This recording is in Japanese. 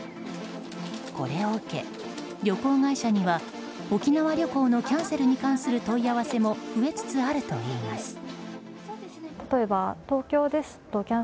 これを受け旅行会社には沖縄旅行のキャンセルに関する問い合わせも増えつつあるといいます。